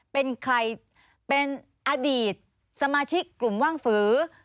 เป็นใครเป็นอดีตสมาชิกกลุ่มว่างฝือ